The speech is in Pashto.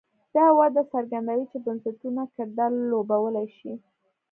دا وده څرګندوي چې بنسټونه کردار لوبولی شي.